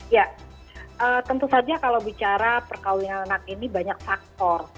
ya tentu saja kalau bicara perkawinan anak ini banyak faktor